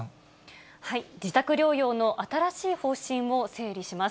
自宅療養の新しい方針を整理します。